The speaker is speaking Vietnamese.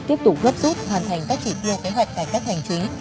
tiếp tục gấp rút hoàn thành các chỉ trường